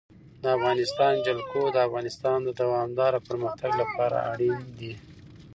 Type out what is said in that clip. د افغانستان جلکو د افغانستان د دوامداره پرمختګ لپاره اړین دي.